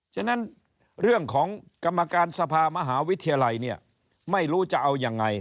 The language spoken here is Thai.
ฉะนั้นเรื่องของกรรมการสภามหาวิทยาลัยเนี่ยไม่รู้จะเอายังไง